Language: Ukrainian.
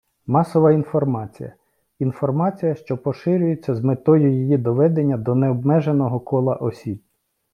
Масова інформація - інформація, що поширюється з метою її доведення до необмеженого кола осіб.